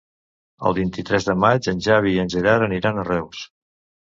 El vint-i-tres de maig en Xavi i en Gerard aniran a Reus.